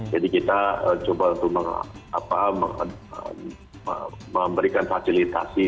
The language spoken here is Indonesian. jadi kita untuk mencoba untuk memberikan fasilitasi